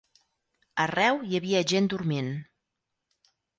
Arreu hi havia gent dormint